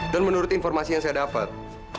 dan menurut informasi yang saya dapat